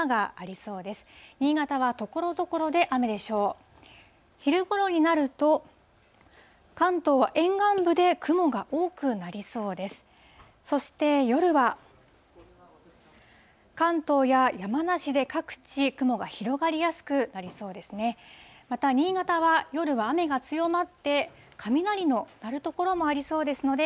そして、夜は関東や山梨で各地、雲が広がりやすくなりそうですね。